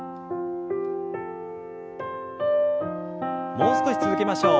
もう少し続けましょう。